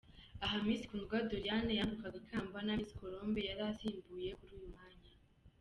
Aha Miss Kundwa Doriane yambikwaga ikamba na Miss Colombe yari asimbuye kuri uyu mwanya.